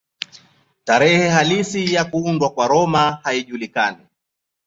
Tarehe halisi ya kuundwa kwa Roma haijulikani.